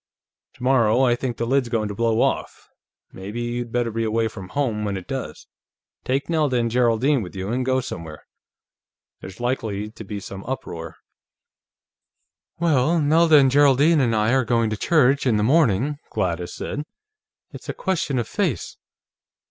Tomorrow, I think the lid's going to blow off. Maybe you'd better be away from home when it does. Take Nelda and Geraldine with you, and go somewhere. There's likely to be some uproar." "Well, Nelda and Geraldine and I are going to church, in the morning," Gladys said. "It's a question of face.